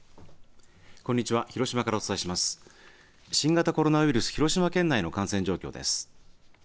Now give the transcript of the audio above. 新型コロナウイルス広島県内の感染状況です。